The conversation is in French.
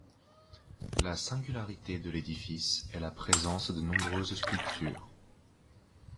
La singularité de l'édifice est la présence de nombreuses sculptures.